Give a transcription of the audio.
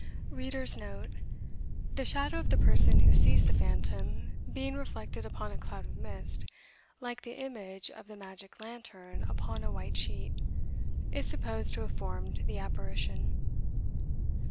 * *The shadow of the person who sees the phantom, being reflected upon a cloud of mist, like the image of the magic lantern upon a white sheet, is supposed to have formed the apparition.